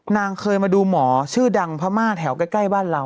นางเคยมาดูหมอชื่อดังพม่าแถวใกล้บ้านเรา